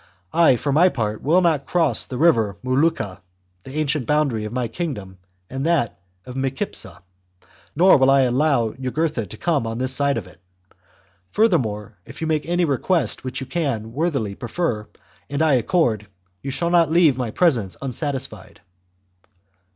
I for my part will not cross the river Muluccha, the ancient boundary of my kingdom and that of Micipsa, nor will I allow Jugurtha to come on this side of it. Furthermore, if you make any request which you can worthily prefer and I accord, you shall not leave my presence unsatisfied."